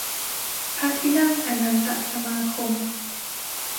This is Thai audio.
พระที่นั่งอนันตสมาคม